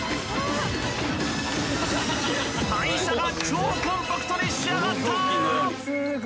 廃車が超コンパクトに仕上がった！